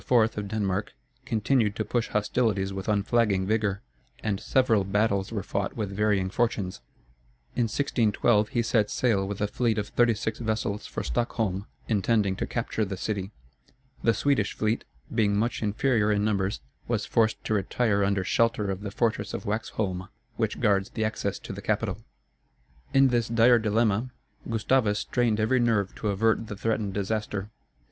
of Denmark, continued to push hostilities with unflagging vigor, and several battles were fought with varying fortunes. In 1612, he set sail with a fleet of thirty six vessels for Stockholm, intending to capture the city. The Swedish fleet, being much inferior in numbers, was forced to retire under shelter of the fortress of Waxholm, which guards the access to the capital. In this dire dilemma, Gustavus strained every nerve to avert the threatened disaster.